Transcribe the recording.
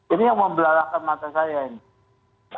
ini yang membelalakan mata saya ya